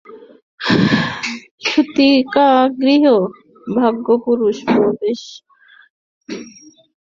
সূতিকাগৃহে ভাগ্যপুরুষ প্রবেশ করিবার পূর্বে শিশুর ললাটপট্টের ন্যায় তুমি নির্মল, তুমি রহস্যময়।